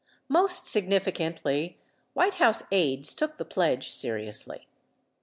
32 Most significantly, White House aides took the pledge seriously.